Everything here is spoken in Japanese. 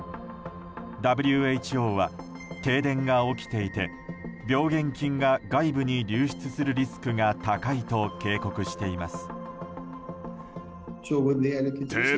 ＷＨＯは停電が起きていて病原菌が外部に流出するリスクが高いと警告しています。